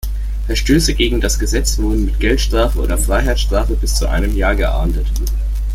Verstöße gegen das Gesetz wurden mit Geldstrafe oder Freiheitsstrafe bis zu einem Jahr geahndet.